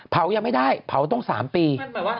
เผายังไม่ได้ภาวต้อง๓ปี